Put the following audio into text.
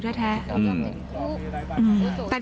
หนูจะให้เขาเซอร์ไพรส์ว่าหนูเก่ง